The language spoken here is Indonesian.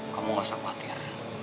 kamu gak usah khawatir